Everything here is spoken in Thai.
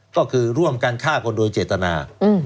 ก็คือร่วมกันฆ่าคนโดยเจตนา